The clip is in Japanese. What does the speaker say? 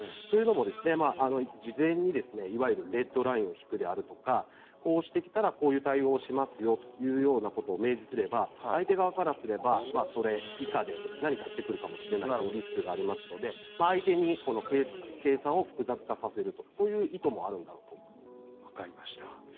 というのも、事前にいわゆるレッドラインを引くであるとかこうしてきたら、こういう対応をしますよというようなことを明示すれば相手側からすれば、それ以下で何かしてくるかもしれないというリスクがありますので相手に計算を複雑化させるとそういう意図があるんだと思います。